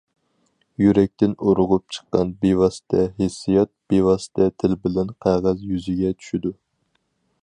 يۈرەكتىن ئۇرغۇپ چىققان بىۋاسىتە ھېسسىيات، بىۋاسىتە تىل بىلەن قەغەز يۈزىگە چۈشىدۇ.